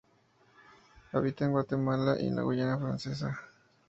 Habita en Guatemala y la Guayana Francesa.